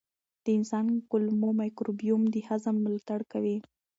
د انسان کولمو مایکروبیوم د هضم ملاتړ کوي.